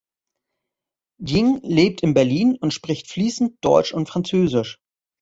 Dieng lebt in Berlin und spricht fließend Deutsch und Französisch.